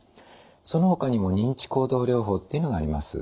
そのほかにも認知行動療法っていうのがあります。